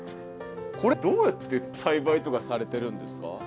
これどうやって栽培とかされてるんですか？